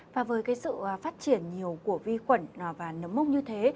và với sự phát triển nhiều của vi khuẩn và nấm mốc như thế